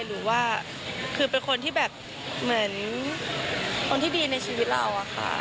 หรือว่าคือเป็นคนที่แบบเหมือนคนที่ดีในชีวิตเราอะค่ะ